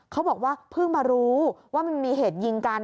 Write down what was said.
เขาบอกว่าเพิ่งมารู้ว่ามันมีเหตุยิงกัน